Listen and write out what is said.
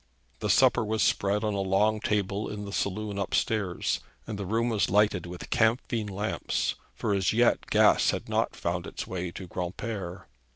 The supper was spread on a long table in the saloon up stairs, and the room was lighted with camphine lamps, for as yet gas had not found its way to Granpere.